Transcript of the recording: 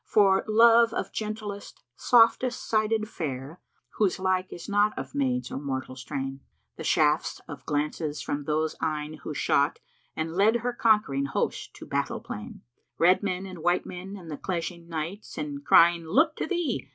For love of gentlest, softest sided fair * Whose like is not of maids or mortal strain: The shafts of glances from those eyne who shot * And led her conquering host to battle plain Red men and white men and the clashing Knights * And, crying 'Look to thee!'